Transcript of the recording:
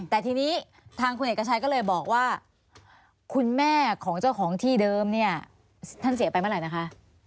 แต่ทีนี้ทางคุณเอกชัยก็เลยบอกว่าคุณแม่ของเจ้าของที่เดิมเนี่ยท่านเสียไปเมื่อไหร่นะคะ